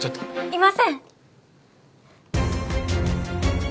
いません。